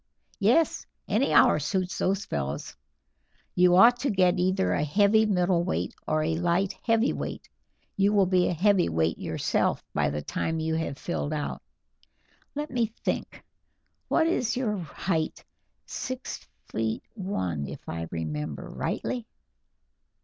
"Yes, any hour suits those fellows. You ought to get either a heavy middleweight or a light heavyweight; you will be a heavyweight yourself by the time you have filled out. Let me think; what is your height six feet one, if I remember rightly?"